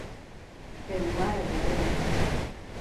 پێم وایە بەدڵمە.